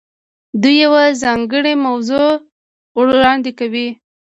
دوی یوه ځانګړې موضوع وړاندې کوي.